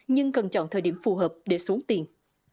nhưng cần chọn thời điểm phù hợp để xuống tiền